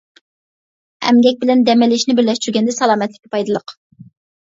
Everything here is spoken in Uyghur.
ئەمگەك بىلەن دەم ئېلىشنى بىرلەشتۈرگەندە سالامەتلىككە پايدىلىق.